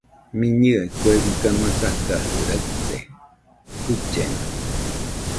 Mɨnɨe kue riga masakajɨ raɨte, guillena